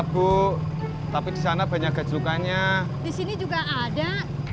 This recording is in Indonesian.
bu tapi sana banyak gajrukannya di sini juga ada